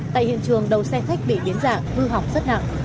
tại hiện trường đầu xe khách bị biến dạng hư hỏng rất nặng